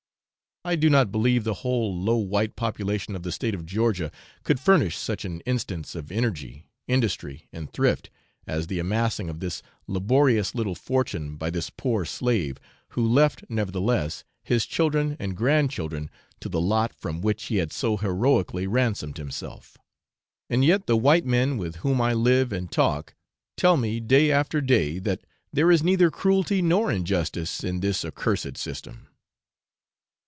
I do not believe the whole low white population of the state of Georgia could furnish such an instance of energy, industry, and thrift, as the amassing of this laborious little fortune by this poor slave, who left, nevertheless, his children and grandchildren to the lot from which he had so heroically ransomed himself: and yet the white men with whom I live and talk tell me, day after day, that there is neither cruelty nor injustice in this accursed system.